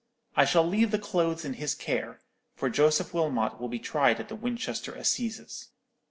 I shall leave the clothes in his care, for Joseph Wilmot will be tried at the Winchester assizes.